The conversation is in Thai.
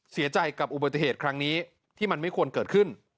เสียใจกับอุบัติเหตุครั้งนี้ที่มันไม่ควรเกิดขึ้น